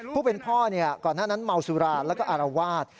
ผู้เป็นพ่อก่อนหน้านั้นเมาสุราแล้วก็อารวาส